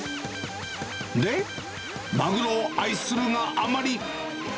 で、マグロを愛するがあまり。